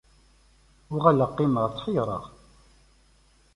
Uɣaleɣ qqimeɣ tḥeyyreɣ.